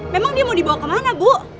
memang dia mau dibawa kemana bu